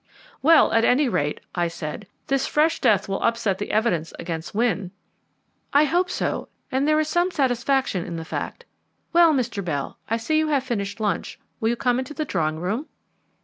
"Well, at any rate," I said, "this fresh death will upset the evidence against Wynne." "I hope so, and there is some satisfaction in the fact. Well, Mr. Bell, I see you have finished lunch; will you come into the drawing room?"